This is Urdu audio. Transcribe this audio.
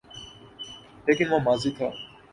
لیکن وہ ماضی تھا۔